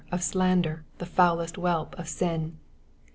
405 of slander, the foulest whelp of sin."